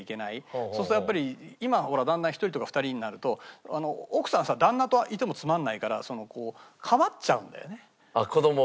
そうするとやっぱり今はほらだんだん１人とか２人になると奥さんさ旦那といてもつまらないから構っちゃうんだよね。